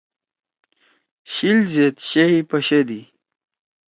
شِل زید شئی پیڜَدی۔